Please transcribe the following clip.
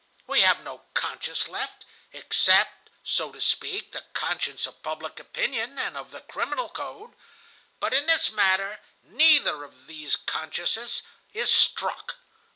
We have no conscience left, except, so to speak, the conscience of public opinion and of the criminal code. But in this matter neither of these consciences is struck.